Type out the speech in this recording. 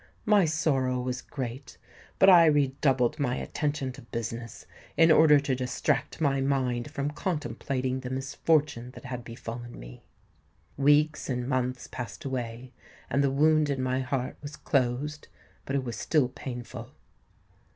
My sorrow was great; but I redoubled my attention to business in order to distract my mind from contemplating the misfortune that had befallen me. Weeks and months passed away; and the wound in my heart was closed, but it was still painful.